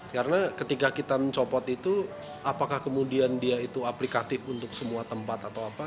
karena ketika kita mencopot itu apakah kemudian dia itu aplikatif untuk semua tempat atau apa